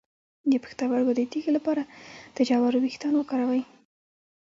د پښتورګو د تیږې لپاره د جوارو ویښتان وکاروئ